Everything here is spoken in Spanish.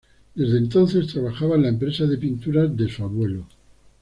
Desde entonces, trabaja en la empresa de pinturas de su abuelo.